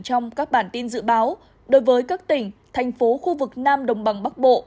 trong các bản tin dự báo đối với các tỉnh thành phố khu vực nam đồng bằng bắc bộ